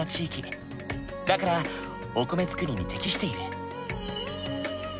だからお米作りに適している。